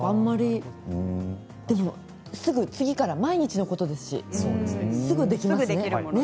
でも次から、毎日のことですしすぐできますね。